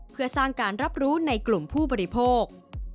เพื่อสร้างการรับรู้ในกลุ่มผู้บริโภค